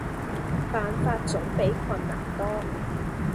辦法總比困難多